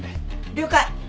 了解。